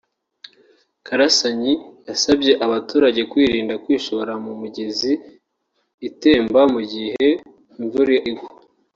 Karasanyi yasabye abaturage kwirinda kwishora mu migezi itemba mu gihe imvura igwa